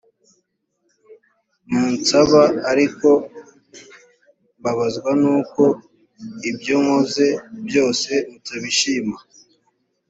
munsaba ariko mbabazwa n uko ibyo nkoze byose mutabishima